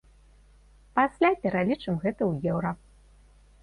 Пасля пералічым гэта ў еўра.